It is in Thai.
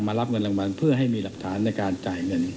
รับเงินรางวัลเพื่อให้มีหลักฐานในการจ่ายเงิน